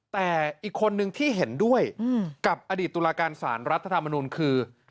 แต่อีกคนนึงที่เห็นด้วยกับอดีตตุลาการสารรัฐธรรมนุนคือ